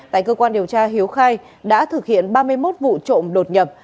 tại cơ quan điều tra hiếu khai đã thực hiện ba mươi một vụ trộm đột nhập